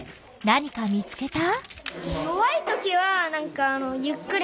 何か見つけた？